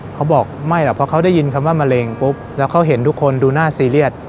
เขาบอกไม่หรอกเพราะเขาได้ยินคำว่ามะเร็งปุ๊บแล้วเขาเห็นทุกคนดูหน้าซีเรียส